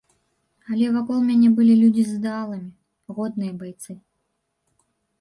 Але вакол мяне былі людзі з ідэаламі, годныя байцы.